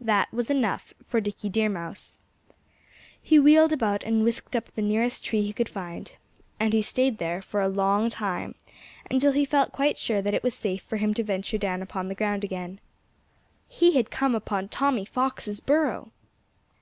That was enough for Dickie Deer Mouse. He wheeled about and whisked up the nearest tree he could find. And there he stayed for a long, long time, until he felt sure that it was quite safe for him to venture down upon the ground again. He had come upon Tommy Fox's burrow!